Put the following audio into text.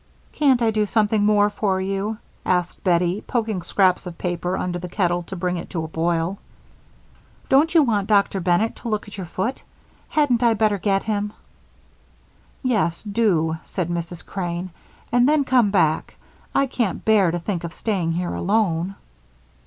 "Can't I do something more for you?" asked Bettie, poking scraps of paper under the kettle to bring it to a boil. "Don't you want Dr. Bennett to look at your foot? Hadn't I better get him?" "Yes, do," said Mrs. Crane, "and then come back. I can't bear to think of staying here alone."